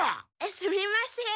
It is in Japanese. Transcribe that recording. すみません。